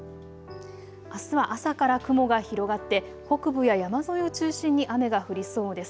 あすは朝から雲が広がって北部や山沿いを中心に雨が降りそうです。